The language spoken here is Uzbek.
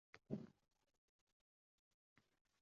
Uzun kiyimi, doim oʻrab yuradigan katta roʻmoli yoʻq edi.